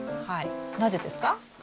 はいなぜですか？